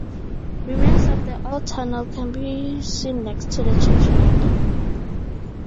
Remains of the old tunnel can be seen next to the churchyard.